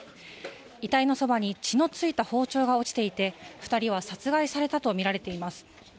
遺体のそばに、血の付いた包丁が落ちていて２人は殺害されたとみられています。